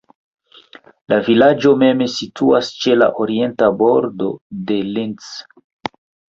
La vilaĝo mem situas ĉe la orienta bordo de Linth.